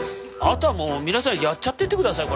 あとはもう皆さんやっちゃっててください。